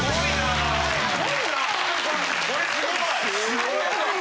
すごいな。